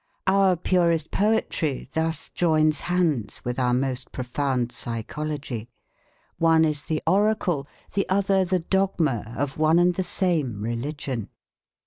Our purest poetry thus joins hands with our most profound psychology. One is the oracle, the other the dogma of one and the same religion.